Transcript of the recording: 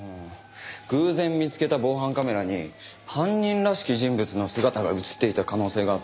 偶然見つけた防犯カメラに犯人らしき人物の姿が映っていた可能性があって。